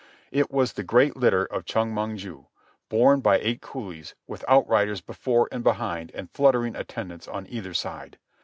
It was the great litter of Chong Mong ju, borne by eight coolies, with outriders before and behind and fluttering attendants on either side.